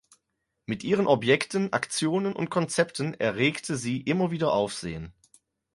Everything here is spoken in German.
Mit ihren Objekten, Aktionen und Konzepten erregte sie immer wieder Aufsehen.